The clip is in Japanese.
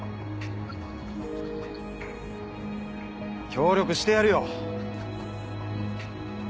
協力してやるよ。